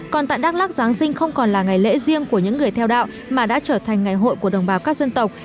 còn tại đắk lắc giáng sinh không còn là ngày lễ riêng của những người theo đạo mà đã trở thành ngày hội của đồng bào các dân tộc